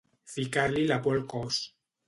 Ficar-li la por al cos.